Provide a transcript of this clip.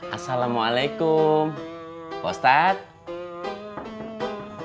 assalamualaikum pak ustadz